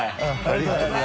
ありがとな。